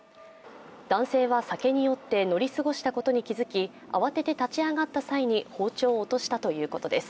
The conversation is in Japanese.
男性は酒に酔って乗り過ごしたことに気づき慌てて立ち上がった際に包丁を落としたということです。